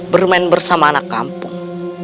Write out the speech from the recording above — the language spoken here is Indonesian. bermain bersama anak kampung